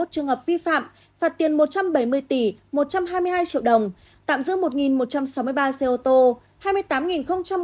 bảy mươi bảy bốn trăm ba mươi một trường hợp vi phạm phạt tiền một trăm bảy mươi tỷ một trăm hai mươi hai triệu đồng tạm giữ một một trăm sáu mươi ba xe ô tô